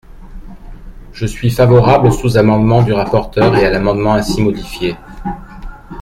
Je suis favorable au sous-amendement du rapporteur et à l’amendement ainsi modifié.